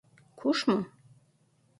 Kuş mu?